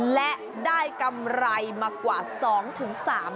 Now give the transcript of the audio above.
และได้กำไรมากว่า๒๓๐๐บาท